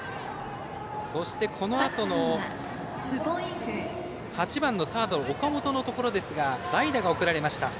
このあとの８番のサード岡本のところに代打が送られました。